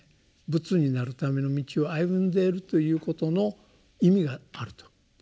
仏になるための道を歩んでいるということの意味があると。